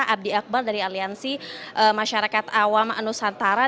abdi akbar dari aliansi masyarakat awam nusantara